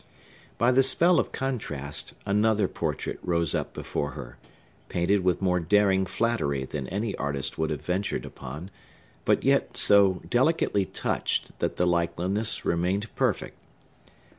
By the spell of contrast, another portrait rose up before her, painted with more daring flattery than any artist would have ventured upon, but yet so delicately touched that the likeness remained perfect.